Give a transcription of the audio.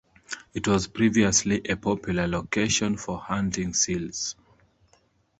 It was previously a popular location for hunting seals.